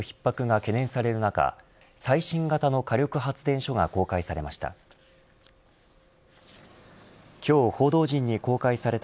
冬の電力需給のひっ迫が懸念される中最新型の火力発電所が公開されました。